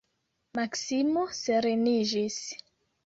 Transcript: Maksimo sereniĝis.